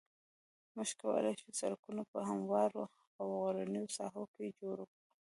موږ کولای شو سرکونه په هموارو او غرنیو ساحو کې جوړ کړو